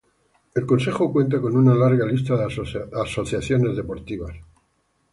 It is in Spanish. El concejo cuenta con una larga lista de asociaciones deportivas.